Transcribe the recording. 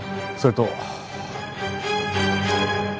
それと。